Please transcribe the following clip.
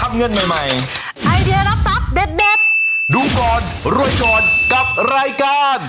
เงินใหม่ใหม่ไอเดียรับทรัพย์เด็ดเด็ดดูก่อนรวยก่อนกับรายการ